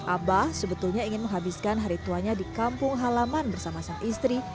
abah sebetulnya ingin menghabiskan hari tuanya di kampung halaman bersama sang istri